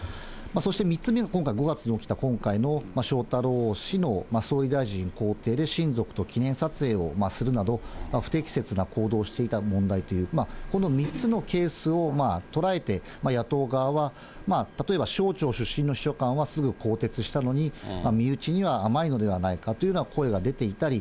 そして３つ目が今回、５月に起きた今回の翔太郎氏の総理大臣公邸で親族と記念撮影をするなど、不適切な行動をしていた問題という、この３つのケースを捉えて、野党側は例えば省庁出身の秘書官はすぐ更迭したのに、身内には甘いのではないかというような声が出ていたり、